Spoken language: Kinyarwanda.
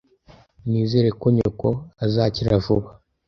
Nizere ko nyoko azakira vuba